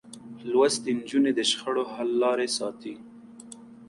لوستې نجونې د شخړو حل لارې ساتي.